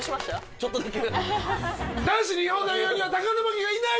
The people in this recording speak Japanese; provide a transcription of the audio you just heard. ちょっとだけ。